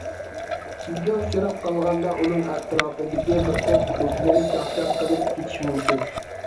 سىزگە ئۇچراپ قالغاندا، ئۇنىڭ ئەتراپىدىكى بىر توپ دوستلىرى چاقچاق قىلىپ كېتىشى مۇمكىن.